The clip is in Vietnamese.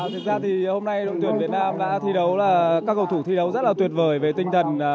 thực ra thì hôm nay đội tuyển việt nam đã thi đấu là các cầu thủ thi đấu rất là tuyệt vời về tinh thần